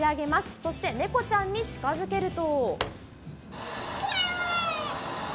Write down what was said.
そしてネコちゃんに近づけると。